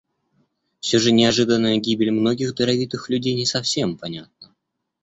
Все же неожиданная гибель многих даровитых людей не совсем понятна.